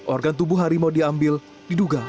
organ tubuh harimau diambil diduga